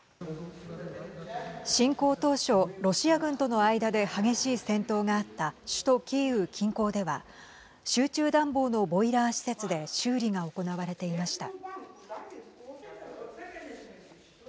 侵攻当初、ロシア軍との間で激しい戦闘があった首都キーウ近郊では集中暖房のボイラー施設で修理が行われていました。